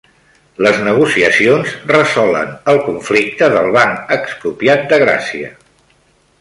Les negociacions resolen el conflicte del Banc Expropiat de Gràcia